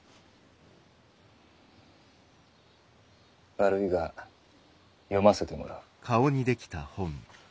悪いが読ませてもらう。